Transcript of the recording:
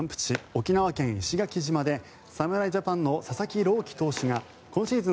沖縄県・石垣島で侍ジャパンの佐々木朗希投手が今シーズン